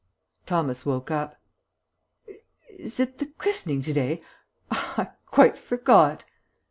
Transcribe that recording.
Thomas woke up. "Is it the christening to day? I quite forgot."